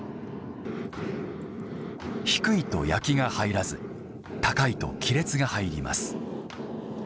低いと焼きが入らず高いと亀裂が入ります。